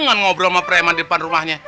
jangan ngobrol sama preman di depan rumahnya